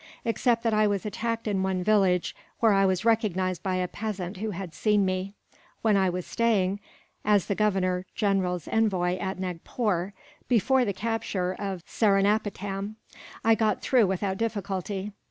Except that I was attacked in one village where I was recognized by a peasant who had seen me, when I was staying as the Governor General's envoy at Nagpore, before the capture of Seringapatam I got through without difficulty."